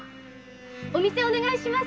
お店お願いします。